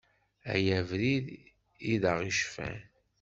Ay abrid i d aɣ-icfan.